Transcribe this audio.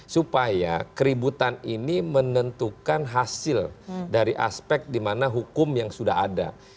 supaya keributan ini menentukan hasil dari aspek di mana hukum yang sudah ada